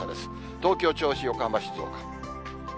東京、銚子、横浜、静岡。